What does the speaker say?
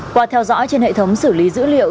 qua theo dõi trên hệ thống xử lý dữ liệu